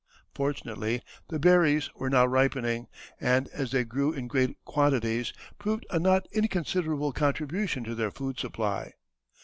Fortunately, the berries were now ripening, and, as they grew in great quantities, proved a not inconsiderable contribution to their food supply.